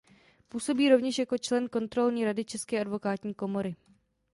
Působí rovněž jako člen Kontrolní rady České advokátní komory.